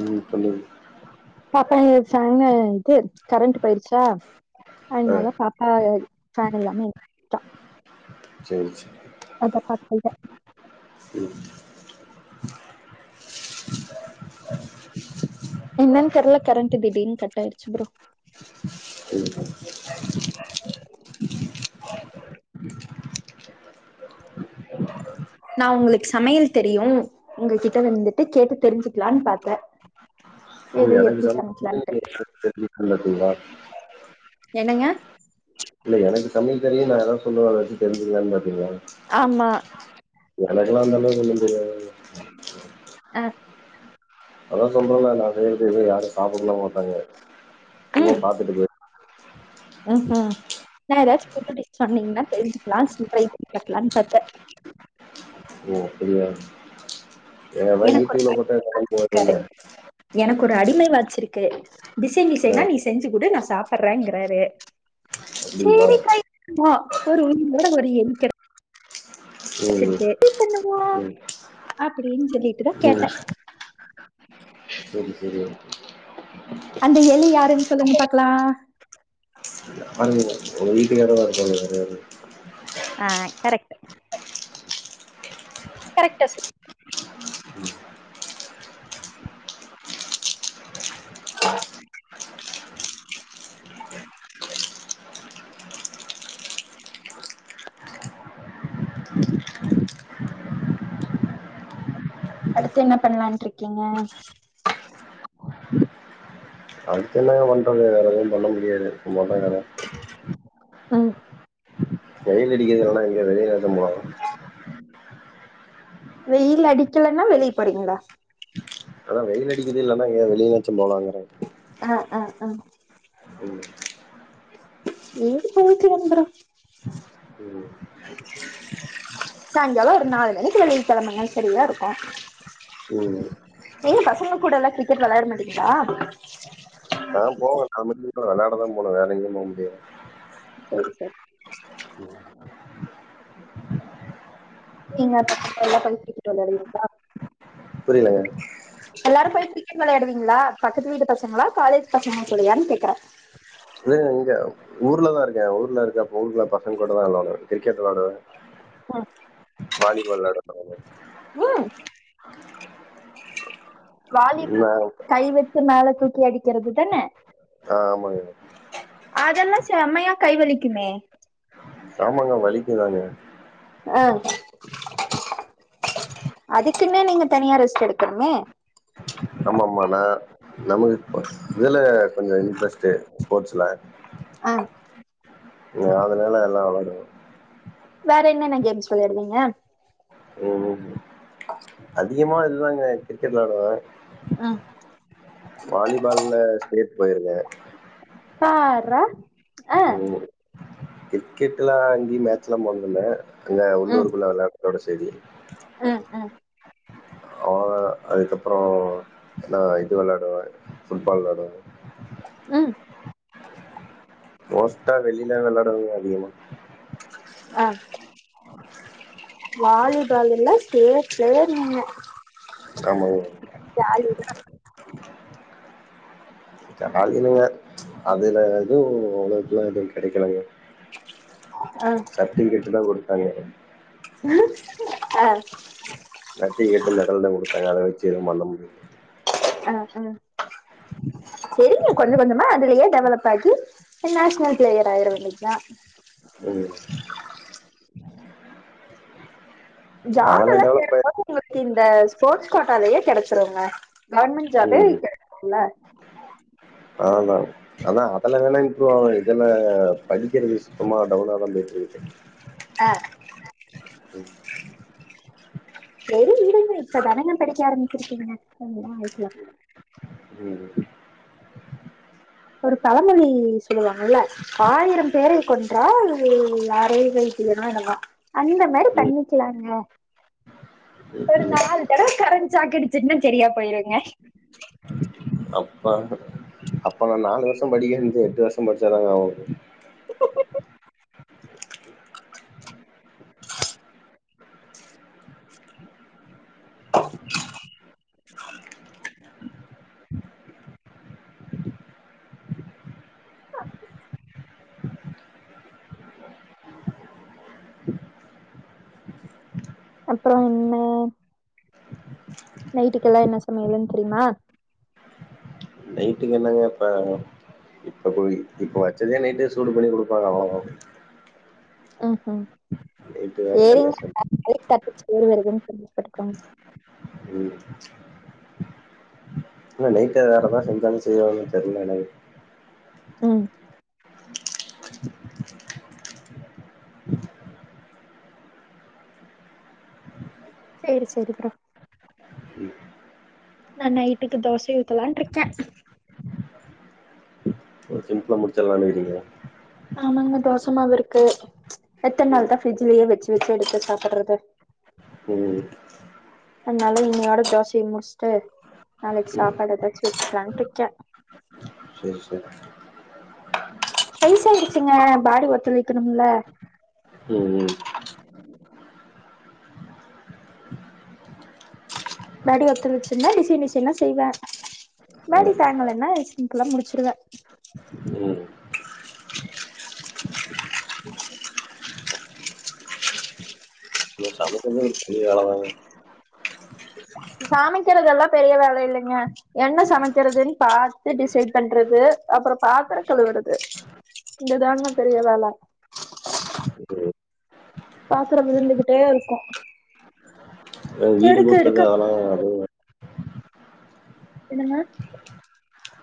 உம் சொல்லு சன்ன இது கரண்ட் போயிருச்சா ஆ அதனால பாப்பா ஃபேன் இல்லாம எந்திச்டா ச்சேரி செ அத [unintelligible] உம் என்னன்னு தெரல கரண்ட் திடீர்னு கட் ஆயிடுச்சு ப்ரோ ம் ஹும் நான் உங்களுக்கு சமையல் தெரியும் உங்க கிட்ட வந்துட்டு கேட்டு தெரிஞ்சுக்கலான்னு பாத்தேன் நீ எனக்கு சமைக் [unintelligible] என்னங்க இல்ல எனக்கும் சமைக்க தெரியும் நான் ஏதாவது சொல்லுவன் அத தெரிஞ்சக்கலான்னு பாத்தீங்களா ஆம்மா எனக்கெல்லாம் அந்த அளவுக்கெல்லாம் தெரியாதுங்க ஆஹ் அதான் சொல்றேன்ல நான் செய்யற இது யாரும் சாப்பிடலாம் மாட்டாங்க சும்மா பாத்துட்டுக்கு போயி க்ஹூம் நான் ஏதாச்சும் புது டிஷ் சொன்னீங்கன்னா தெரிஞ்சுக்கலாம் கத்துகலாம்னு பாத்தேன் ஓ! அப்படியா ஏ [unintelligible] எனக்கு ஒரு யுடியூப்ல போட்டா என்னா மாதிரி இருக்காரு [unintelligible] எனக்கு ஒரு அடிமை வச்சிருக்காரு ஆ டிசைன்டிசைன்னா நீ செஞ்சு குடு ந சாப்படறங்கறாரு அப்படிங்களா? சரிக்கை ஒரு [unintelligible] கூட ஒரு என் க ம், வச்சிருக்க எப்படி பண்ணுவோ ம், ம், அப்படின்னு சொல்லிட்டுதா ம். கேட்டே சரி, [inaudible] அந்த எலி யாருன்னு சொல்லுங்க பாக்கலாம் நான் இல்ல உங்க வீட்டுக்குக்காரதான் இருப்பாங்க வேற யாரு ஆஹ் கரெக்ட கரெக்ட்டா சொ ஆஹ அடுத்து என்ன பண்ணலான்ட்டு இருக்கீங்க அதுக்கு என்ன பண்ணுறது வேறு எதுவும் பண்ண முடியாது மட்ட [unintelligible] ஆஹ் வெயில் அடிக்கிறதுதுனா இங்க வெளில [unintelligible] வெயில் அடிக்கலன்னா வெளிய போறீங்களா அதா வெயில் அடிக்குது இன்னா ஏ வெளிலாச்சு போலான ஆஹ் ஆஹ் ஆஹ் ம் [unintelligible] ம் சாய்ங்காலம் ஒரு நாலு மணிக்கு வெளியில கிழம்புங்க சரியா இருக்கும் ம் நீங்க பசங்க கூட எல்லாம் கிரிக்கெட் விளையாட மாட்டங்களா நா போவ [unintelligible] விளாட தா போனும் வேற இங்கயு போக முடியாது சரி சரி [inaudible] நீங்க [unintelligible] புரியலங்க எல்லாரும் போய் கிரிக்கெட் விளையாடுவீங்களா பக்கத்து வீட்டு பசங்களா காலேஜ் பசங்கள சொல்லியான்னு கேக்குறே நீங்க எங்க ஊர்லதா இருக்கேன் ஊருல இருக்க [unintelligible] பசங்க கூடாதா விளாடுவே கிரிக்கெட் விளாடுவே ஆஹ வாலிபால் விளாட போவாங்க ஆ வாலிபால் நா கை வச்சு மேல தூக்கி அடிக்கிறது தானே ஆமாங்க அதெல்லாம் செம்மையா கைவலிக்குமே ஆமாங்க வலிக்குதாங்க அஹ் அதுக்குன்ன நீங்க தனியா ரெஸ்ட் எடுக்கணோமே ஆமா ஆமானா நமக்கு இதுல கொஞ்சம் இன்ட்ரெஸ்ட் ஸ்போர்ட்ஸ்ல ஆஹ் நாங்க எல்லா அதல்லா விளாடுவோ வேற என்னென்ன கேம்ஸ் வெளயாடுவீங்க உம் அதிகமா இ தாங்க கிரிக்கெட் விளாடுவே ம் வாலிபால்ல ஸ்டேட் போயிருந்தே பார்ரா ஆ கிரிக்கெட் எல்லா அங்கயு மேட்ச் தா [unintelligible] அங்க உள்ளூருக்குள்ள விளாட தொட செய்தி உம் உம் அவ்ளோதா அதுக்கப்புறோ நா இது விளாடுவே ஃபுட்பால் விளாடுவே உம் மோஸ்டா வெளில விளாட்ரதில்ல அதிகமா ஆ வாலிபால் எல்ல ஸ்டேட் பிலேயர் நீங்க ஆமா ஓ ஜாலி தான் ஜாலியில்ல ச்சு அதுல எதுவும் அவளோகெல்லா எதுவும் கிடைக்கலங்க ஆ சத்தம் கேட்டு தான் கொடு அங்க அஹ அ நட்டி எட்டு மெடல் தான் கொடுத்தாங்க அத வச்சு எதும் பண்ண மு ஆ ஆ செரிங்க கொஞ்ச கொஞ்சமா அதுலயே டெவலப் ஆகி நேஷ்னல் பிளேயர் ஆயிரவேண்டியதுதா ம் ஜாட் அதெல்லா எல்லா டெவலப் ஆயி தெரப்பாங்க உங்களுக்கு இந்த ஸ்டோட்ஸ் கோட்டாலயே கிடைச்சிருங்க கவர்மெண்ட் ஜாபே ம் கிட என்ன அதான் அதான் அதுல வேணா இம்புரு ஆகும் இதுல படிக்கிறது சுத்தமா டவுனா தான் போயிட்டு இருக்குது அ உம் செரி விடுங்க இப்ப தானங்க படிக்க ஆரம்பிச்சிருக்கீங்க எல்லா ஆயிக்கலா ம் ஒரு பழமொழி சொல்லுவாங்கல்ல ஆயிரம் பேரை கொன்றால் யாரையும் வெழ்த்திடலா என்னமோ அந்த மாரி ம் பண்ணிக்கலாங்க ஒரு ம் ம் நால் தடவ கரண்ட் சாக்கிடிச்சுன்னா செரியா போயிருங்க அப்பா அப்பா நான் நாலு வருஷம் படிக்கது எட்டு வருஷம் படிச்சாதாங்க ஆவு அப்பறோ என்ன நைட்டுக்கெல்லா என்ன சமையலுன் தெரியுமா நைட்டுக்கு என்னங்க இப்ப இப்ப போய் இப்ப வச்சதே நைட்டு சூடு பண்ணி குடுப்பாங்க அவளதா உம் ஹிம் வேற தனியா சேரிங்க செஞ் [inaudible] பேரு வருதுன்னு சந்தோஷப்பட்டுக்கோங்க ம் ஆன நைட்டே வேறதான் செஞ்சாலும் செயிவாங்க தெரில எனக்கு உம் சேரி சேரி ப்ரோ ம் நா நைட்டுக்கு தோசை ஊத்தலான்ட்ருக்கே புலா முடிச்சல்லானுறீங்க ஆமாங்க தோசமாவிருக்கு எத்தன் நாள் ம் தான் பிரிட்ஜ்லயே வச்சு வச்சு எடுத்து சாப்புட்றது ம் அன்னால இன்னையோட தோசைய முடிச்ட்டு நாளைக்கு ம் சாப்பாடு ஏதாச்சு வச்சுக்கலான்ட்ருக்கே சரி சரி சைய்சாயிடிச்சுங்க பாடி ஒத்தழுக்கணும்ல ம் பாடி ஒத்துழச்சிருந்தா டிசைன் டிசைன்னா செய்வே பாடி தாங்கலன்னா சிம்ப்ளா முடிச்சிருவே ம் ம் இன்ஆடிபிள் சமைக்கதே ஒரு பெரிய வேலை தாங்க சமைக்கறதெல்லாம் பெரிய வேலை இல்லங்க என்ன சமைக்கறதுன்னு பாத்து டிசைட் பண்றது அப்புறொ பாத்திரக் கழுவுறது இதுதாங்க பெரிய வேல பாத்துரொ விழுந்துகிட்டே இருக்கு அ வீடு எடுக்க கூட்றது எடுக்க அதெல்லா அதுவு என்னங்க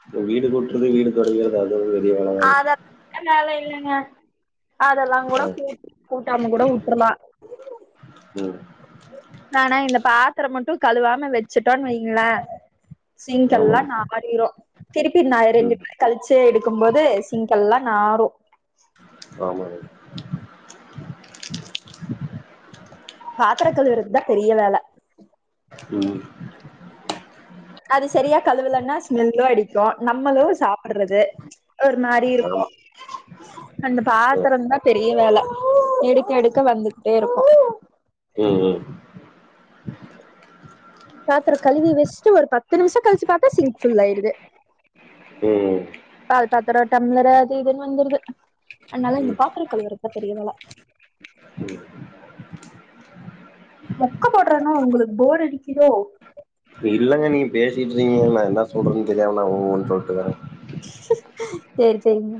இப்ப வீடு கூட்றது வீடு தொடைக்கிறது அது [unintelligible] பிள்ளைங்க அதெல்லாங்கூட கூ கூட்டாம கூட உட்ரலா ம் நானா இந்த பாத்திரம் மட்டு கழுவாம வச்சுட்டோன்னு வைங்களே சிங்க்கெல்லா ஆமாங்க நாறிரு திருப்பி நாள் ரெண்டு ம் பேர் கழ்ச்சே எடுக்கும்போது சிங்க்கெல்லா நாறு ஆமாங்க பாத்திர கழுவுறதுதான் பெரிய வேலை ம் அது சரியா கழுவுலன்னா ஸ்மெல்லு அடிக்கு நம்மளு சாப்புட்றது ஒரு மாரி இருக்கு ஆமா அந்த பாத்திரந்தா பெரிய வேலை எடுக்க எடுக்க வந்துகிட்டே இருக்கு ம் ம் பாத்ரொ கழுவி வச்ட்டு ஒரு பத்து நிமிஷொ கழிச்சு பாத்தா சிங்க் ஃபுல்லாய்டுது ம் பால் பாத்ரொ டம்ளரு அது இதுன்னு வந்துருது அதனால ம் இந்த ம் பாத்திர கழுவுறதா பெரிய வேல ம் மொக்க போட்றனோ உங்களுக்கு போர் அடிக்குதோ இல்லங்க நீங்க பேசிட்ருக்கிங்க நான் என்ன சொல்றேன்னு தெரியாம நான் உ உ னு சொல்ட்டுக்கறேன் சேர் சேரிங்க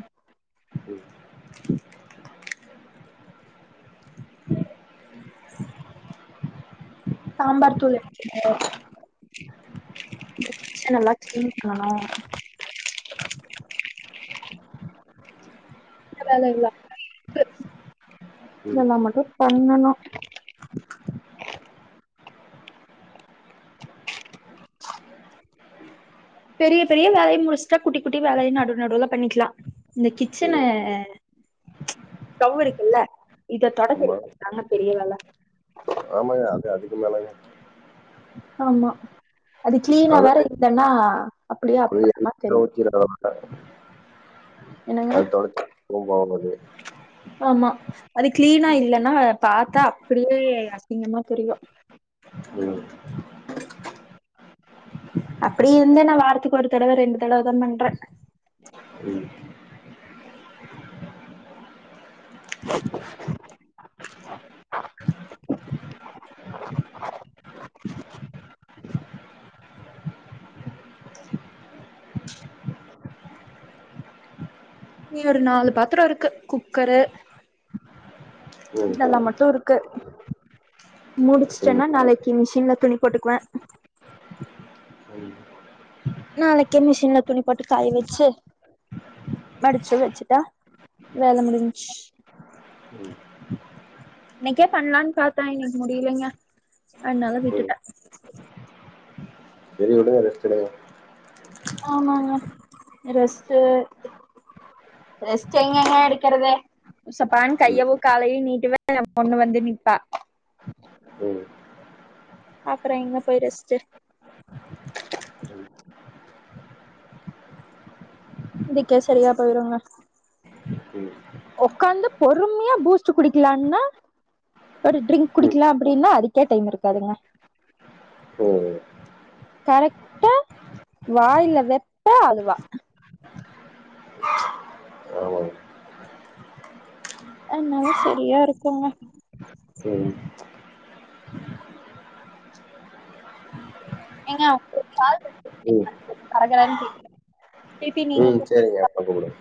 சாம்பார் தூள் இருக்கு ச்ச நல்லா சீனிக்காணோ வேலல்லா இல்ல இருக்றது ம் இதெல்லா மட்டும் பண்ணணு பெரிய பெரிய வேலைய முடிச்ட்டா குட்டி குட்டி வேலைய நடு நடுல்ல பண்ணிக்லா இந்த கிச்சன ம் டவ் இருக்குல்ல இத தொடச்செடுக்கு தாங்க பெரிய வேல ஆமாக அது அதுக்கு மேலங்க ஆமா அது கிளீனா வேற இல்லன்னா ஆ [unintelligible] ஆஹ என்னங்க அது தொடச்ச போ போவாது ஆமா அது கிளீனா இல்லன்னா பாத்தா அப்டியே அசிங்கமா தெரியு ம் அப்டி இருந்தே நான் வாரத்துக்கு ஒரு தடவ ரெண்டு தடவதா பண்றே ம் [inaudible] நீ ஒரு நாலு பாத்ரொருக்கு குக்கரு ம் இதெல்லா மட்டு இருக்கு ம் முடிச்சுட்டேன்னா நாளைக்கு மிஷின்ல துணி போட்டுக்குவே ம் நாளைக்கே மிஷின்ல துணி போட்டு காய வச்சு மடிச்சு வச்சுட்டா வேலை முடிஞ்ச் ம் இன்னைக்கே பண்ணலான்னு பாத்தே இன்னைக்கு முடியலைங்க அதனால விட்டுட்ட செரி விடுங்க ரெஸ்டெடுங்க ஆமாங்க ரெஸ்ட்டு ரெஸ்ட் எங்கங்கே எடுக்குறது சப்பான்னு ம் கையவு காலையு நீட்டுவே ஏ பொண்ணு வந்து நிப்பா ம் அப்புறோ எங்க போய் ரெஸ்ட்டு குடிக்க சரியா போயிருங்க ம் உக்காந்து பொறும்மையா பூஸ்ட் குடிக்கலான்னா ஒரு ட்ரிங்க் ம் குடிக்கலா அப்டின்னா அதுக்கே டைம் இருக்காதுங்க ம் கரெக்டா வாயில வெப்ப அழுவா ஆமாங்க ஆனாலு சரியா இருக்குங்க ம் ஏங்க [unintelligible] ம் கரகரன் கேக்கு ம் செரிங்க அப்பற கூப்ட்றே